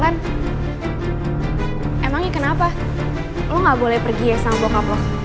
emangnya kenapa lo gak boleh pergi ya sama bokap lo